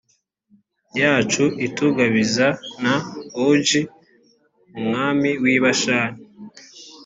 yacu itugabiza na ogi umwami w i bashani